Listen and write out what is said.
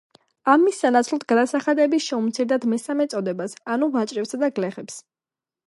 ამის სანაცვლოდ გადასახადები შეუმცირდათ მესამე წოდებას, ანუ ვაჭრებსა და გლეხებს.